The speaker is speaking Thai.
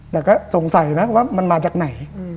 แต่ก็สงสัยนะว่ามันมาจากไหน